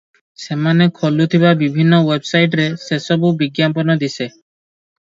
ସେମାନେ ଖୋଲୁଥିବା ବିଭିନ୍ନ ୱେବସାଇଟରେ ସେସବୁ ବିଜ୍ଞାପନ ଦିଶେ ।